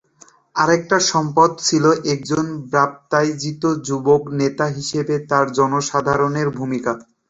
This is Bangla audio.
আরেকটা সম্পদ ছিল একজন বাপ্তাইজিত যুবক নেতা হিসেবে তার জনসাধারণের ভূমিকা।